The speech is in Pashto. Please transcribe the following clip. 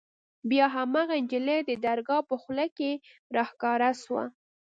بيا هماغه نجلۍ د درګاه په خوله کښې راښکاره سوه.